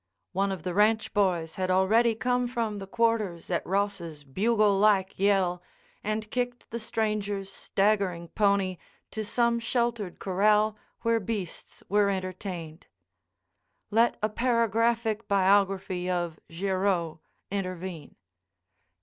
One of the ranch boys had already come from the quarters at Ross's bugle like yell and kicked the stranger's staggering pony to some sheltered corral where beasts were entertained. Let a paragraphic biography of Girod intervene.